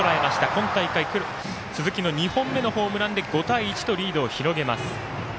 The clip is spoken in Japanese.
今大会、鈴木の２本目のホームランで５対１とリードを広げます。